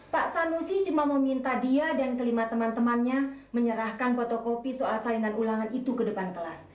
pak sanusi cuma meminta dia dan kelima teman temannya menyerahkan fotokopi soal saingan ulangan itu ke depan kelas